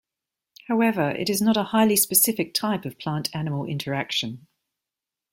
However, it is not a highly specific type of plant-animal interaction.